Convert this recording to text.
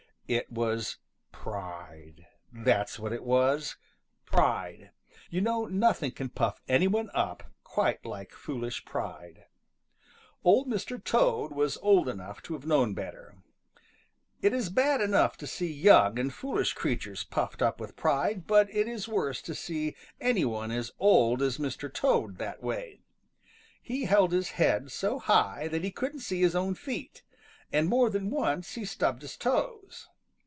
It was pride. That's what it was pride. You know nothing can puff any one up quite like foolish pride. Old Mr. Toad was old enough to have known better. It is bad enough to see young and foolish creatures puffed up with pride, but it is worse to see any one as old as Old Mr. Toad that way. He held his head so high that he couldn't see his own feet, and more than once he stubbed his toes.